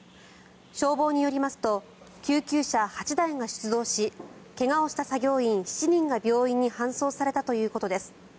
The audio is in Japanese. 消防によりますと救急車８台が出動し怪我をした作業員７人が病院に搬送されたということです。